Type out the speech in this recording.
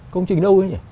công trình đâu thế nhỉ